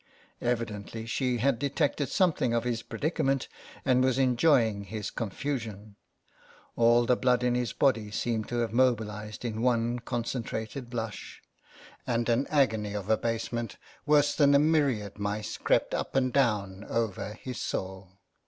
Evidently she had detected something of his predicament, and was enjoying his con fusion. All the blood in his body seemed to have mobilised in one concentrated blush, and an agony of abasement, worse than a myriad mice, crept up and down over his soul.